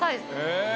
へえ！